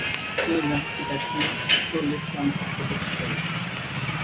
তিনি ডানহাতি batsman slow left arm orthodox bowler.